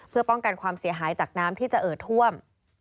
เพื่อป้องกันความเสียหายจากน้ำที่จะเอ่อท่วม